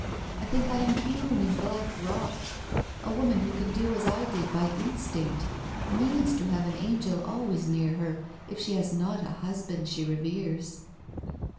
I think I am hewn in black rock. A woman who can do as I did by instinct, needs to have an angel always near her, if she has not a husband she reveres.'